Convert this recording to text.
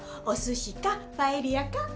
おすしかパエリアか。